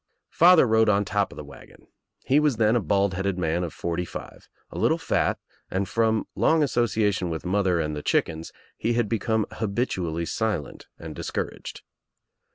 Father rode on top of the wagon. He was then a bald headed man of forty five, a little fat and from long association with mother and the chickens he had become habitually silent and discouraged.